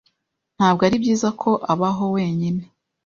Ntabwo ari byiza ko abaho wenyine.